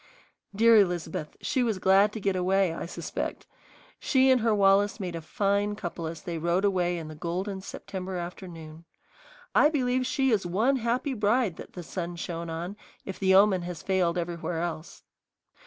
Dear Elizabeth, she was glad to get away, I suspect! She and her Wallace made a fine couple as they rode away in the golden September afternoon. I believe she is one happy bride that the sun shone on, if the omen has failed everywhere else.